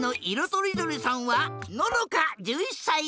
とりどりさんはののか１１さい。